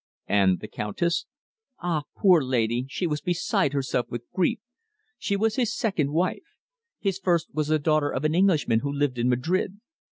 "And the countess?" "Ah! Poor lady, she was beside herself with grief. She was his second wife. His first was the daughter of an Englishman who lived in Madrid.